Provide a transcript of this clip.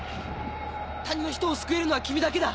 谷の人を救えるのは君だけだ。